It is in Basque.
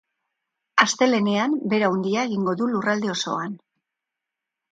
Asteazkenean bero handia egingo du lurralde osoan.